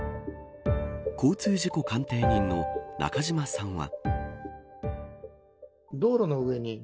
交通事故鑑定人の中島さんは。